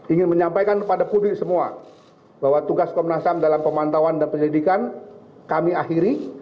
ingin menyampaikan kepada publik semua bahwa tugas komnas ham dalam pemantauan dan penyelidikan kami akhiri